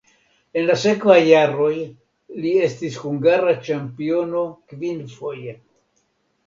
En la sekvaj jaroj li estis hungara ĉampiono kvinfoje.